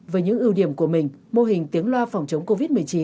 với những ưu điểm của mình mô hình tiếng loa phòng chống covid một mươi chín